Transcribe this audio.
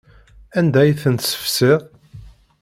Anda ay ten-tessefsiḍ?